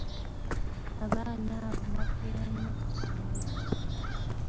Abaana abo bakeera nnyo ku ssomero.